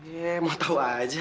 eh mau tau aja